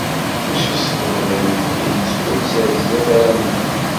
Mačči s ṭṭbel ay ufhim swayes ar sdat ara neddu.